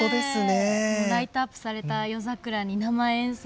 ライトアップされた夜桜に生演奏。